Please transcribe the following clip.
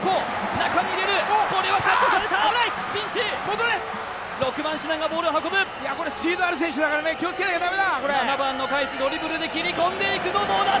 危ない戻れ６番シナンがボールを運ぶスピードある選手だからね気をつけなきゃダメだ７番のカイスドリブルで切り込んでいくぞどうだ？